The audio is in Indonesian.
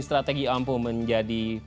strategi ampuh menjadi